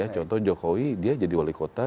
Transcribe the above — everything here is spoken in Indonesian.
contoh jokowi dia jadi wali kota